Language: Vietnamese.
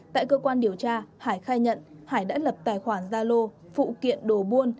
tại cơ quan điều tra hải khai nhận hải đã lập tài khoản gia lô phụ kiện đồ buôn